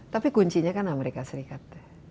tapi kuncinya kan amerika serikat